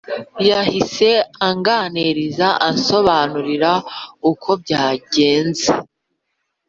yahise anganiriza ansobanurira uko byagenze,